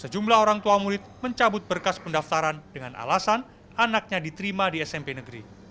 sejumlah orang tua murid mencabut berkas pendaftaran dengan alasan anaknya diterima di smp negeri